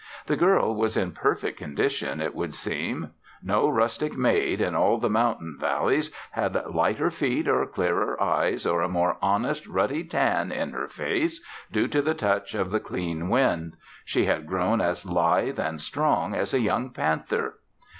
The girl was in perfect condition, it would seem. No rustic maid, in all the mountain valleys, had lighter feet or clearer eyes or a more honest, ruddy tan in her face due to the touch of the clean wind. She had grown as lithe and strong as a young panther.